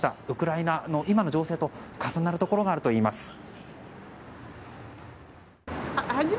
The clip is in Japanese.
ウクライナの今の情勢と重なるところがあるといいます。